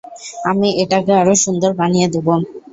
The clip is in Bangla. আমি এটাকে আরো সুন্দর বানিয়ে দিব।